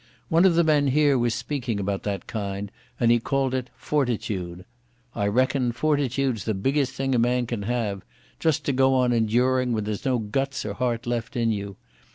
One of the men here was speaking about that kind, and he called it "Fortitude". I reckon fortitude's the biggest thing a man can have—just to go on enduring when there's no guts or heart left in you.